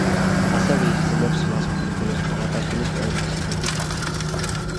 ასევე იხსენიებს მას ნიკოლოზ ბარათაშვილი პოემაში „ბედი ქართლისა“.